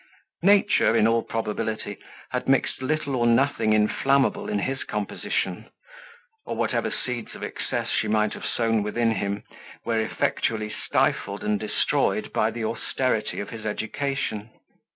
Nature, in all probability, had mixed little or nothing inflammable in his composition; or, whatever seeds of excess she might have sown within him, were effectually stifled and destroyed by the austerity of his education.